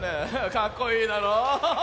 かっこいいだろ。